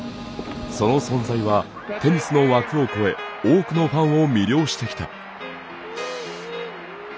その存在はテニスの枠を超え多くのファンを魅了してきた。